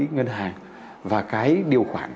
ngân hàng và cái điều khoản